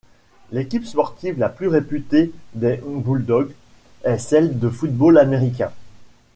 L'équipe sportive la plus réputée des Bulldogs est celle de football américain.